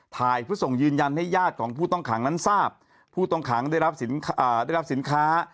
ถ่ายเพื่อส่งยืนยันให้ญาติของผู้ต้องขังนั้นทราบผู้ต้องขังได้รับสินค้า